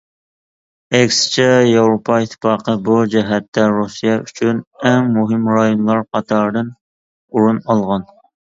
ئەكسىچە، ياۋروپا ئىتتىپاقى بۇ جەھەتتە رۇسىيە ئۈچۈن ئەڭ مۇھىم رايونلار قاتارىدىن ئورۇن ئالغان.